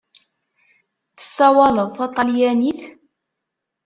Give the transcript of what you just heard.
Tessawaleḍ taṭalyanit?